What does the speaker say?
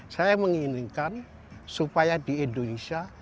saya menginginkan supaya di indonesia